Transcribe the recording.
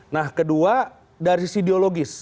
nah kedua dari sisi biologis